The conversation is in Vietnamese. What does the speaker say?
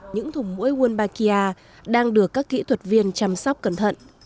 những thùng mũi wombakia đang được các kỹ thuật viên chăm sóc cẩn thận